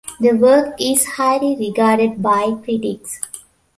The work is highly regarded by critics.